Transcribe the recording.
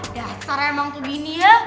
dasar emang tuh bini ya